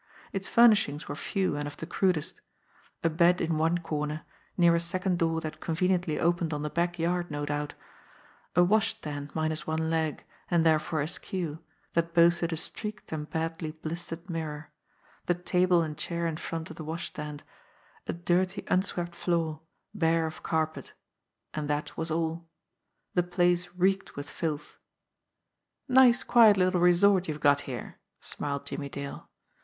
Its furnishings were few and of the crudest; a bed in one corner, near a second door that conveniently opened on the back yard no doubt; a wash stand minus one leg, and therefore askew, that boasted a streaked and badly blistered mirror ; the table and chair in front of the washstand ; a dirty, unswept floor, bare of car petand that was all. The place reeked with filth. "Nice quiet little resort you've got here," smiled Jimmie Dale.